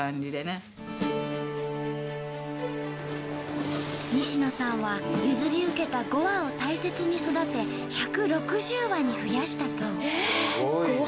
この方は西野さんは譲り受けた５羽を大切に育て１６０羽に増やしたそう。